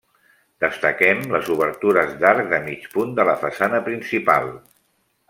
Destaquem les obertures d'arc de mig punt de la façana principal.